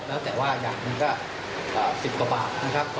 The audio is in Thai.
แล้วแต่ว่าอย่างหนึ่งก็๑๐กว่าบาทนะครับ